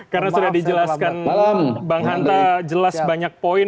karena sudah dijelaskan bang anta jelas banyak poin